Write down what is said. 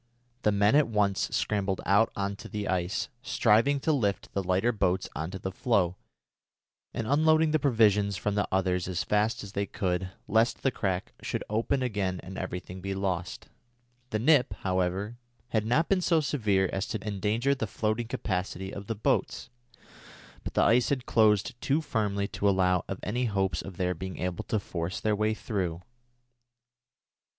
The men at once scrambled out on to the ice, striving to lift the lighter boats on to the floe and unloading the provisions from the others as fast as they could, lest the crack should open again and everything be lost. The nip, however, had not been so severe as to endanger the floating capacity of the boats, but the ice had closed too firmly to allow of any hopes of their being able to force their way through.